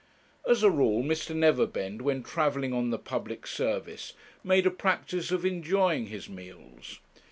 As a rule Mr. Neverbend, when travelling on the public service, made a practice of enjoying his meals.